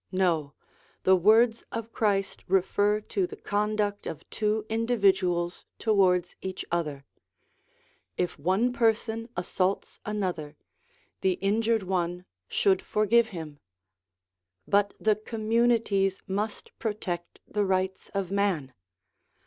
No, the words of Christ refer to the conduct of two individuals towards each other : if one person assaults another, the injured one should forgive him. But the communities must protect the rights of man.